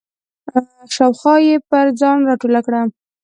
شاوخوا یې پر ځان راټوله کړه.